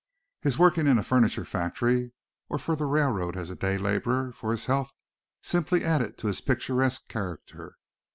His working in a furniture factory or for the railroad as a day laborer for his health simply added to his picturesque character.